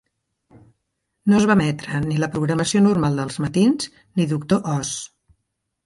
No es va emetre ni la programació normal dels matins ni 'Doctor Oz'.